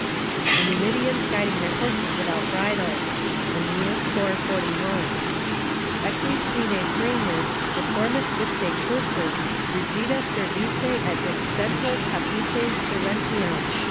["The Numidians guiding their horses without bridles." AEneid, iv. 41.] "Equi sine fraenis, deformis ipse cursus, rigida cervice et extento capite currentium."